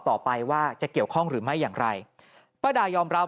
หลังจากพบศพผู้หญิงปริศนาตายตรงนี้ครับ